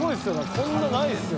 こんなないですよ。